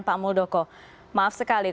pak muldoko maaf sekali